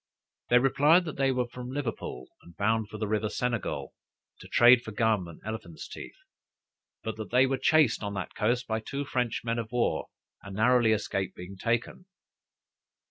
They replied, that they were from Liverpool, and bound for the river Senegal, to trade for gum and elephants teeth; but that they were chased on that coast by two French men of war, and narrowly escaped being taken.